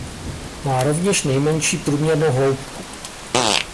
Má rovněž nejmenší průměrnou hloubku.